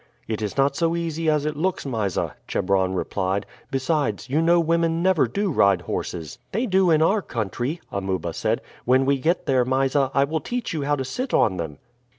"It is not so easy as it looks, Mysa," Chebron replied; "besides, you know women never do ride horses." "They do in our country," Amuba said. "When we get there, Mysa, I will teach you how to sit on them."